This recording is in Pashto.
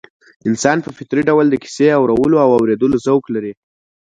انسان په فطري ډول د کيسې اورولو او اورېدلو ذوق لري